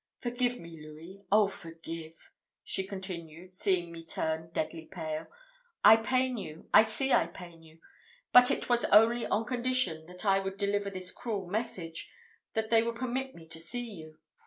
Forgive me, Louis! oh, forgive!" she continued, seeing me turn deadly pale: "I pain you, I see I pain you; but it was only on condition that I would deliver this cruel message, that they would permit me to see you.